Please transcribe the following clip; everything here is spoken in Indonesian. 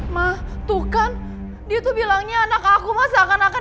mah tuh kan dia tuh bilangnya anak aku mah seakan akan